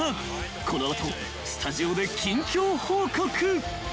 ［この後スタジオで近況報告］